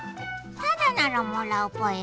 タダならもらうぽよ。